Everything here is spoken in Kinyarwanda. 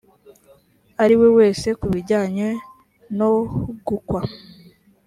ariwe wese ku bijyanye nogukwa